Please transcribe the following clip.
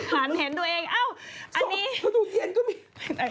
หันเห็นดูเองอ้าวอันนี้ดูเย็นกว่าไม่